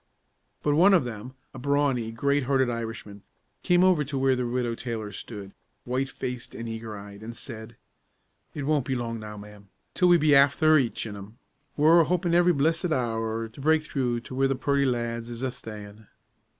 But one of them, a brawny, great hearted Irishman, came over to where the Widow Taylor stood, white faced and eager eyed, and said, "It won't be long now, ma'am, till we'll be afther rachin' 'em. We're a hopin' every blissed hour to break through to where the purty lads is a sthayin'."